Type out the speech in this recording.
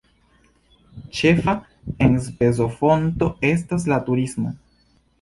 Ĉefa enspezofonto estas la turismo.